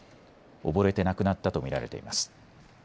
溺れて亡くなったと見られています。